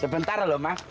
sebentar loh bang